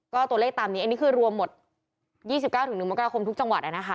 ก็ตัวเลขตามนี้อันนี้คือรวมหมด๒๙๑มกราคมทุกจังหวัดนะคะ